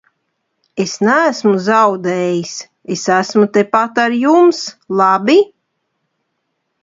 Es neesmu zaudējis, es esmu tepat ar jums, labi?